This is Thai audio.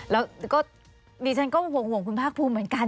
แล้วก็ดิฉันก็ห่วงคุณภาคภูมิเหมือนกัน